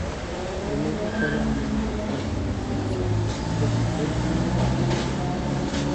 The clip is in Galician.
O Lugo pode abandonar a zona de descenso de vencer en Alcorcón.